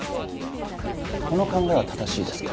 この考えは正しいですか？